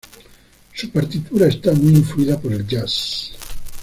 Su partitura está muy influida por el jazz.